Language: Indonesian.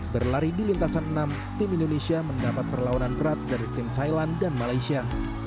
berlari di lintasan enam tim indonesia mendapat perlawanan berat dari tim thailand dan malaysia